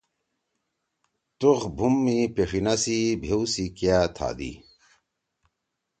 تُغ بُھوم می پیݜیِنا سی بھیؤ سی کیا تھادی۔